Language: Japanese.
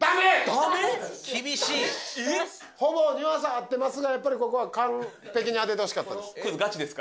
厳しいほぼニュアンス合ってますがやっぱりここは完璧に当ててほしかったです